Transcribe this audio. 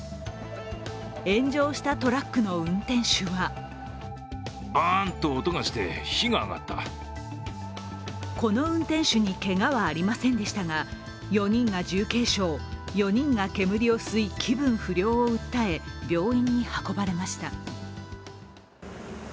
炎上したトラックの運転手はこの運転手にけがはありませんでしたが、４人が重軽傷、４人が煙を吸い気分不良を訴え病院に運ばれました。